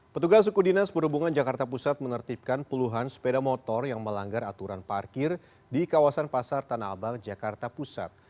petugas suku dinas perhubungan jakarta pusat menertibkan puluhan sepeda motor yang melanggar aturan parkir di kawasan pasar tanah abang jakarta pusat